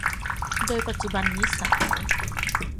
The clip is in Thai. โดยปัจจุบันนี้สาว